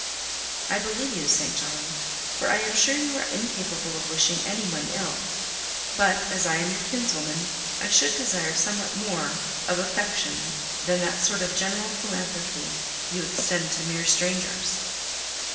"I believe you, St. John; for I am sure you are incapable of wishing any one ill; but, as I am your kinswoman, I should desire somewhat more of affection than that sort of general philanthropy you extend to mere strangers."